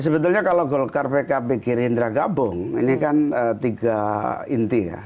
sebetulnya kalau golkar pkb gerindra gabung ini kan tiga inti ya